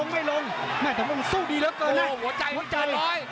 แม่ตำรวมสู้ดีเหลือเกินนะโหหัวใจเกินร้อย